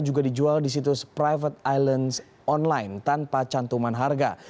juga dijual di situs privateislandonline com tanpa cantuman harga